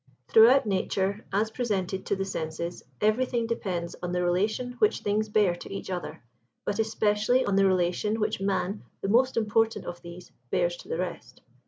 Throughout nature, as presented to the senses, everything depends on the relation which things bear to each other, but especially on the relation which man, the most important of these, bears to the rest.